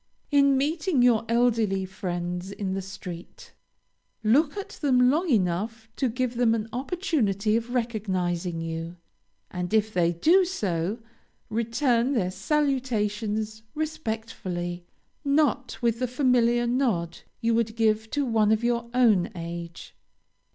In meeting your elderly friends in the street, look at them long enough to give them an opportunity of recognizing you; and if they do so, return their salutations respectfully, not with the familiar nod you would give to one of your own age.